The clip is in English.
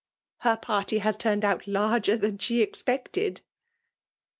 Her party has turned out larger than she expected